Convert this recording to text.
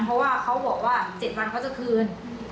เพราะว่าเขาบอกว่า๗๐๐เขาจะคืน